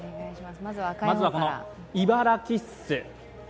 まずはこのいばらキッス。